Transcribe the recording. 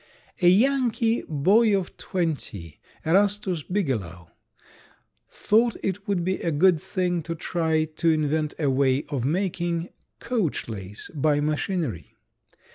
A Yankee boy of twenty, Erastus Bigelow, thought it would be a good thing to try to invent a way of making coachlace by machinery.